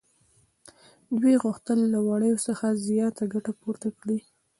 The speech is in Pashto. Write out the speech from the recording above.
دوی غوښتل له وړیو څخه زیاته ګټه پورته کړي